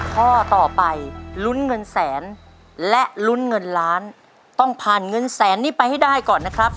ข้อต่อไปลุ้นเงินแสนและลุ้นเงินล้านต้องผ่านเงินแสนนี้ไปให้ได้ก่อนนะครับ